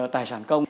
tài sản công